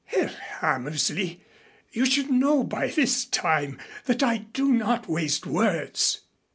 "Herr Hammersley, you should know by this time that I do not waste words.